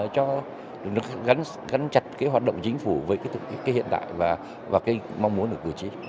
cho được gánh chặt cái hoạt động chính phủ với cái hiện tại và cái mong muốn được cử tri